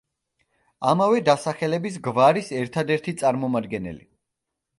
ამავე დასახელების გვარის ერთადერთი წარმომადგენელი.